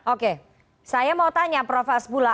oke saya mau tanya prof hasbullah